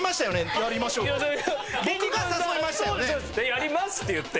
「やります」って言って。